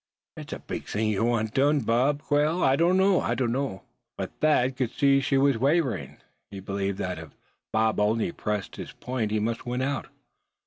It's a big thing ye want done, Bob Quail. I dunno; I dunno!" But Thad could see she was wavering. He believed that if Bob only pressed his point he must win out.